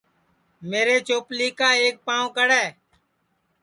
میرے چوپلی کا ایک پاو کڑے